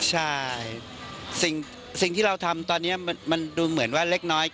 ใช่สิ่งที่เราทำตอนนี้มันดูเหมือนว่าเล็กน้อย